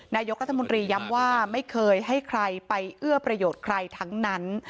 นายกรัฐมนตรีย้ำว่าไม่เคยให้ใครไปเอื้อประโยชน์ใครทั้งนั้น